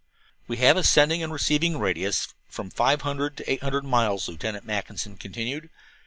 "We have a sending and receiving radius of from five hundred to eight hundred miles," Lieutenant Mackinson continued.